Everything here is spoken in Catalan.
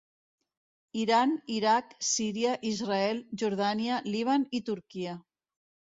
Iran, Iraq, Síria, Israel, Jordània, Líban i Turquia.